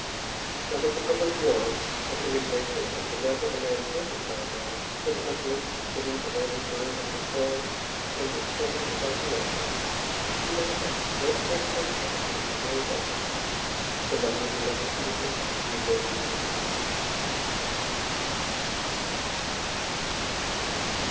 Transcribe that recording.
Now that the public furor and indignation over the death of the man Smith has died down, sentimentalists believe that Ramsey Burr has reformed and changed his icy nature, for he manifests great affection and care for Mrs. Mary Baker, the mother of the electrocuted man who had been his assistant.